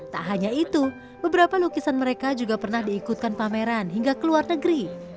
tak hanya itu beberapa lukisan mereka juga pernah diikutkan pameran hingga ke luar negeri